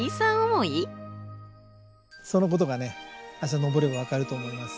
そのことがね明日登れば分かると思います。